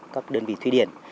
các đơn vị thuy điển